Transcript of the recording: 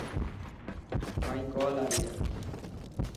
مائي ڪول آئي هي.